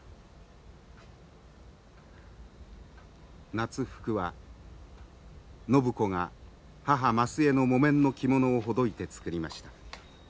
夏服は靖子が母増枝の木綿の着物をほどいて作りました。